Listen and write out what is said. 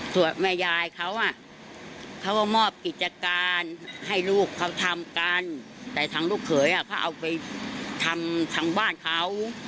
ส่วนแม่ยายเขาเขาก็มอบกิจการให้ลูกเขาทำกันแต่ทางลูกเขยเขาเอาไปทำทางบ้านเขา